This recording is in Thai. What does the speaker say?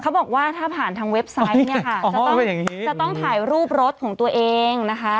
บอกว่าถ้าผ่านทางเว็บไซต์เนี่ยค่ะจะต้องถ่ายรูปรถของตัวเองนะคะ